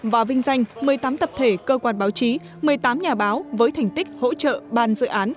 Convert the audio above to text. và vinh danh một mươi tám tập thể cơ quan báo chí một mươi tám nhà báo với thành tích hỗ trợ ban dự án